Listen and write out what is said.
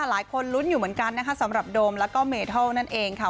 หลายคนลุ้นอยู่เหมือนกันนะคะสำหรับโดมแล้วก็เมทัลนั่นเองค่ะ